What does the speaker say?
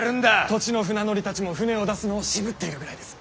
土地の船乗りたちも舟を出すのを渋っているぐらいです。